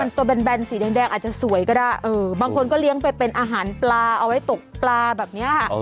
ตัวแบนสีแดงอาจจะสวยก็ได้บางคนก็เลี้ยงไปเป็นอาหารปลาเอาไว้ตกปลาแบบนี้